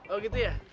oh gitu ya